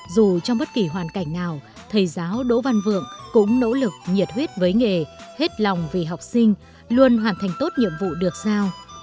dù trong bất kỳ hoàn cảnh nào thầy giáo đỗ văn vượng cũng nỗ lực nhiệt huyết với nghề hết lòng vì học sinh luôn hoàn thành tốt nhiệm vụ được sao